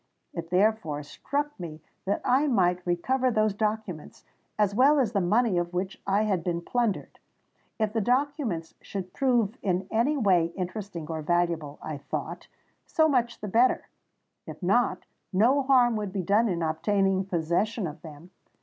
It therefore struck me that I might recover those documents, as well as the money of which I had been plundered. If the documents should prove in any way interesting or valuable, I thought, so much the better: if not, no harm would be done in obtaining possession of them.